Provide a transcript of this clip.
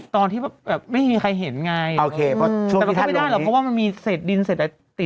ตอนที่ไม่ใช่ใครเห็นไงแต่ก็ไม่ได้หรอกเพราะว่ามันมีเศษดินเศชายังติด